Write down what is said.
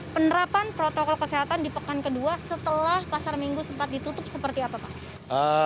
penerapan protokol kesehatan di pekan kedua setelah pasar minggu sempat ditutup seperti apa pak